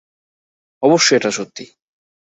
অবশ্যই এটা সত্যি।